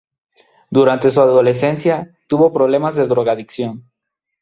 Durante su adolescencia, tuvo problemas de drogadicción.